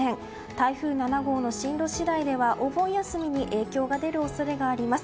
台風７号の進路次第ではお盆休みに影響が出る恐れがあります。